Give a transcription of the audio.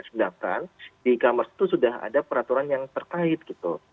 sedangkan di e commerce itu sudah ada peraturan yang terkait gitu